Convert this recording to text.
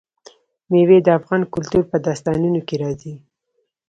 مېوې د افغان کلتور په داستانونو کې راځي.